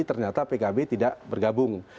ternyata pkb tidak bergabung